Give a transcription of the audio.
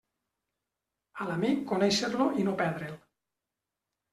A l'amic, conéixer-lo i no perdre'l.